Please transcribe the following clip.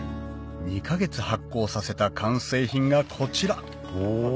２か月発酵させた完成品がこちらお。